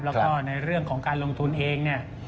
แล้วก็ในเรื่องของการลงทุนเองเนี่ย